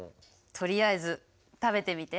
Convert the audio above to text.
とりあえず食べてみて。